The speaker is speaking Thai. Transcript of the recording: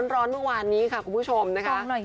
เมื่อวานนี้ค่ะคุณผู้ชมนะคะ